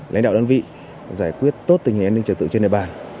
lãnh đạo đơn vị giải quyết tốt tình hình an ninh trật tự trên địa bàn